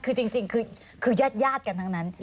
คือจริงคือญาติกันทั้งนั้น